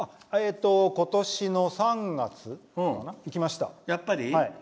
今年の３月、行きました。